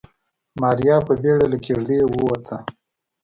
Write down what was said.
ماريا په بيړه له کېږدۍ ووته.